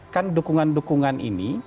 kan dukungan dukungan ini